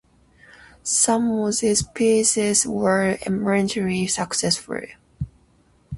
Some of these pieces were eminently successful.